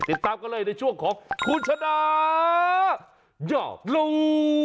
ติดตามกันเลยในช่วงของคุณชนะอยากรู้